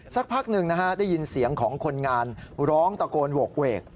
สักพักหนึ่งนะฮะได้ยินเสียงของคนงานร้องตะโกนโหกเวก